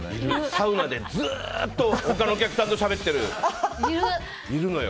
サウナでずっと他のお客さんとしゃべってる人いるのよ。